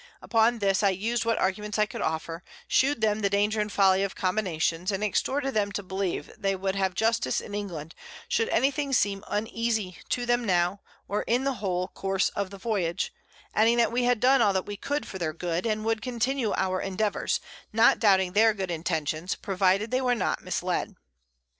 Upon this I us'd what Arguments I could offer, shew'd them the Danger and Folly of Combinations, and exhorted them to believe they would have Justice in England, should any thing seem uneasy to them now, or in the whole Course of the Voyage; adding that we had done all that we could for their good, and would continue our Endeavours, not doubting their good Intentions, provided they were not mis led.